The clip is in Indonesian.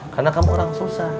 karena kamu orang susah